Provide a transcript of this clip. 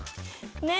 ね